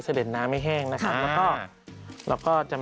เสด็จน้ำไม่แห้งนะครับ